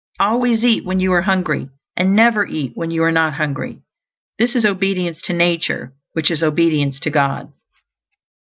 ALWAYS eat when you are hungry; and NEVER eat when you are not hungry. This is obedience to nature, which is obedience to God.